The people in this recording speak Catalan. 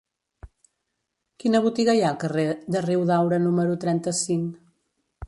Quina botiga hi ha al carrer de Riudaura número trenta-cinc?